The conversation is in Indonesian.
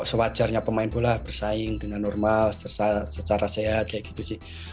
sewajarnya pemain bola bersaing dengan normal secara sehat kayak gitu sih